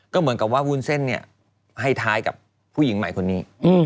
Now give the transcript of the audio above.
ก็เหมือนกับว่าวุ้นเส้นเนี่ยให้ท้ายกับผู้หญิงใหม่คนนี้